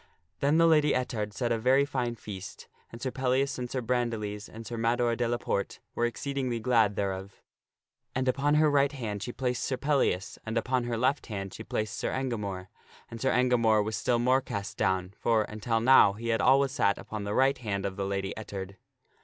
Then the Lady Ettard set a very fine feast and Sir Pellias and Sir Bran diles and Sir Mador de la Porte were exceedingly glad thereof. And upon her right hand she placed Sir Pellias, and upon her left hand she placed Sir Engamore. And Sir Engamore was still more cast down, for, until now, he had always sat upon the right hand of the Lady Et tard.